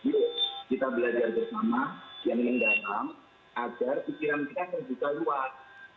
yuk kita belajar bersama yang mendalam agar pikiran kita membuka luas